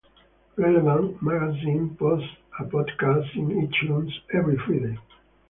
"Relevant" magazine posts a podcast on iTunes every Friday.